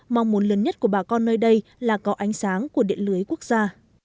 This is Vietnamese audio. mong muốn lớn nhất của bà con nơi đây là có ánh sáng của điện lưới quốc gia